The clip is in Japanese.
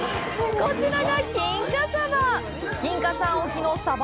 こちらが金華サバ！